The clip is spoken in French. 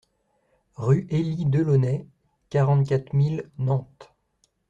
Rue Élie Delaunay, quarante-quatre mille Nantes